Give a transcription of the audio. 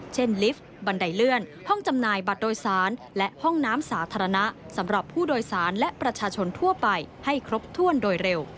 ลิฟต์บันไดเลื่อนห้องจำหน่ายบัตรโดยสารและห้องน้ำสาธารณะสำหรับผู้โดยสารและประชาชนทั่วไปให้ครบถ้วนโดยเร็ว